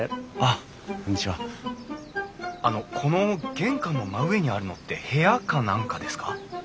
あのこの玄関の真上にあるのって部屋か何かですか？